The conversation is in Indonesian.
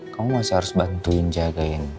kamu masih harus bantuin jagain